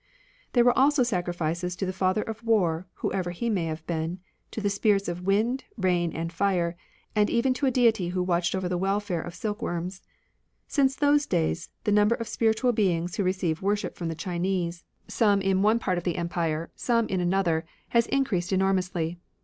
There were also sacrifices to the Father of War, whoever he may have been ; to the Spirits of Wind, Rain, and Fire ; and even to a deity who watched over the welfare of silkworms. Since those days, the number of spiritual beings who receive worship from the Chinese, some in 23 RELIGIONS or ANCIENT CHINA one part of the empire, some in another, has increased enormously.